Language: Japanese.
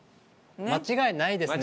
間違いないですね